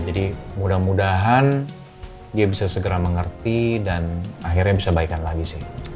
mudah mudahan dia bisa segera mengerti dan akhirnya bisa baikan lagi sih